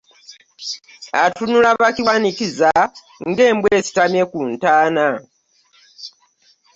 Atunula bakiwanikiza ng'e Mbwa esitamye ku Ntaana.